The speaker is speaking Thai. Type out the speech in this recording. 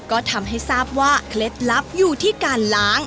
ก็ทำให้ทราบว่าเคล็ดลับอยู่ที่การล้าง